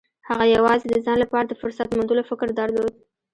هغه يوازې د ځان لپاره د فرصت موندلو فکر درلود.